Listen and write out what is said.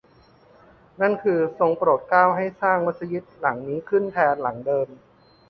นั่นคือ ทรงโปรดเกล้าให้สร้างมัสยิดหลังนี้ขึ้นแทนหลังเดิม